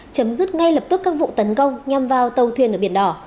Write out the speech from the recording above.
chấm dứt ngay lập tức các vụ tấn công nhằm vào tàu thuyền ở biển đỏ